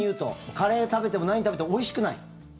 カレー食べても何食べてもおいしくない？